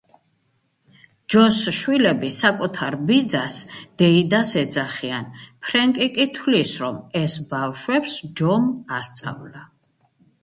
ჯოს შვილები საკუთარ ბიძას „დეიდას“ ეძახიან, ფრენკი კი თვლის, რომ ეს ბავშვებს ჯომ ასწავლა.